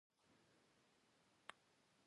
خو ډېر زر شومه پښېمانه